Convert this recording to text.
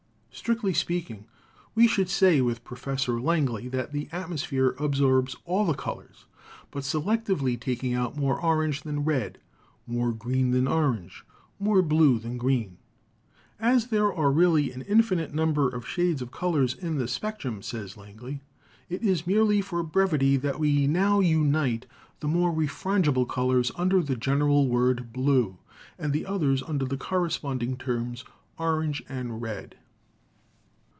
Strictly speaking, we should say with Professor Langley that the atmosphere absorbs all the colors, but selectively taking out more orange than red, more green than orange, more blue than green. "As there are really an infinite number of shades of color in the spectrum," says Langley, "... it is merely for brevity that we now unite the more refrangible colors under the general word 'blue,' and the others under the corresponding terms 'orange' or 'red.'